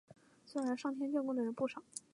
虽然上天眷顾的人不少